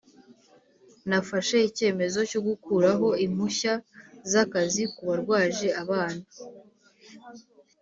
Nafashe icyemezo cyo gukuraho impushya z’akazi ku barwaje abana